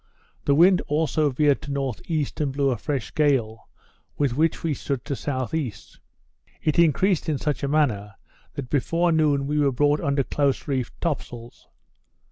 The wind also veered to N.E. and blew a fresh gale, with which we stood to S.E. It increased in such a manner, that before noon we were brought under close reefed top sails.